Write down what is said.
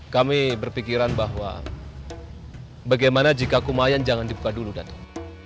kami berpikiran bahwa bagaimana jika kumayan jangan dibuka dulu datang